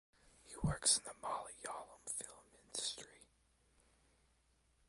He works in the Malayalam film industry.